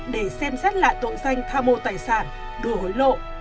để xem xét lại tội danh tha mô tài sản đưa hối lộ